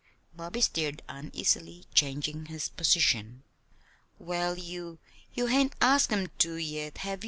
Bobby stirred uneasily, changing his position. "Well, you you hain't asked 'em to, yet; have ye?"